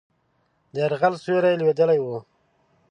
د یرغل سیوری لوېدلی وو.